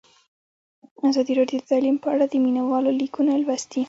ازادي راډیو د تعلیم په اړه د مینه والو لیکونه لوستي.